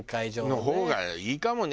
の方がいいかもね。